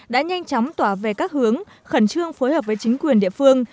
đã nhanh chóng tỏa về các hướng khẩn trương phối hợp với chính quyền địa phương